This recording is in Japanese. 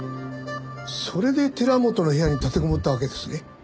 それで寺本の部屋に立てこもったわけですね？